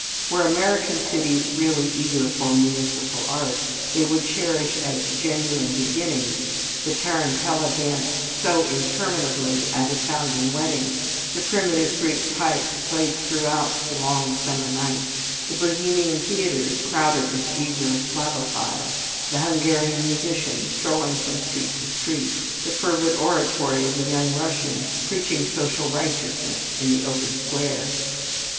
Were American cities really eager for municipal art, they would cherish as genuine beginnings the tarentella danced so interminably at Italian weddings; the primitive Greek pipe played throughout the long summer nights; the Bohemian theaters crowded with eager Slavophiles; the Hungarian musicians strolling from street to street; the fervid oratory of the young Russian preaching social righteousness in the open square.